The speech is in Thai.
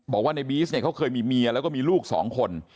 บอกว่าในบีซเนี่ยเขาเคยมีเมียแล้วก็มีลูกสองคน